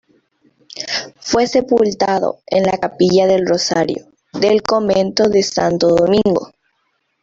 Fue sepultado en la capilla del Rosario, del convento de Santo Domingo.